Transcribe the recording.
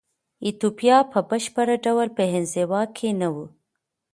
ایتوپیا په بشپړ ډول په انزوا کې نه وه.